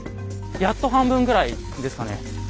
やっと半分ぐらいですかね。